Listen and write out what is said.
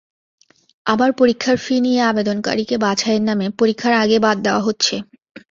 আবার পরীক্ষার ফি নিয়ে আবেদনকারীকে বাছাইয়ের নামে পরীক্ষার আগেই বাদ দেওয়া হচ্ছে।